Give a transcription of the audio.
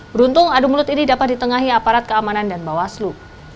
beruntung adu mulut ini dapat ditengahi aparat keamanan dan bawaslu